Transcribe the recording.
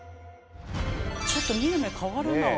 ちょっと見る目変わるなあ。